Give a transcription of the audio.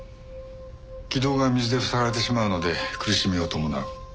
気道が水で塞がれてしまうので苦しみを伴う。